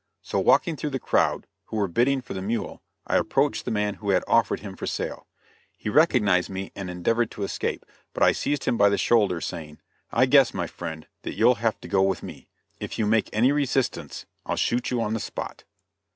So, walking through the crowd, who were bidding for the mule, I approached the man who had offered him for sale. He recognized me and endeavored to escape, but I seized him by the shoulder, saying: "I guess, my friend, that you'll have to go with me. If you make any resistance, I'll shoot you on the spot."